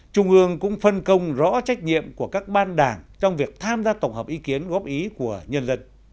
trung ương cũng phân công rõ trách nhiệm của các ban đảng trong việc tham gia tổng hợp ý kiến góp ý của nhân dân